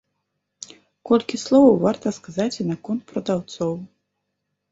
Колькі словаў варта сказаць і наконт прадаўцоў.